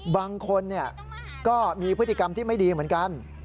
บางคนก็มีพฤติกรรมที่ไม่ดีเหมือนกัน